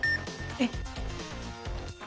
えっ？